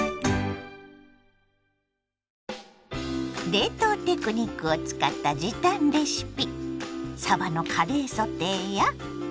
冷凍テクニックを使った時短レシピ。